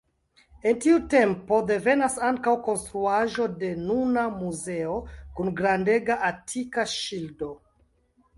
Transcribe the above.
El tiu tempo devenas ankaŭ konstruaĵo de nuna muzeo kun grandega atika ŝildo.